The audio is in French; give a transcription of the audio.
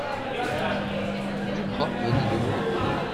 Duprat venait de mourir.